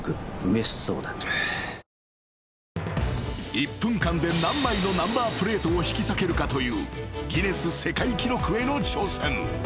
［１分間で何枚のナンバープレートを引き裂けるかというギネス世界記録への挑戦］